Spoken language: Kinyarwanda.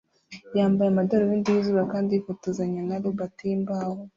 yambaye amadarubindi yizuba kandi yifotozanya na robot yimbaho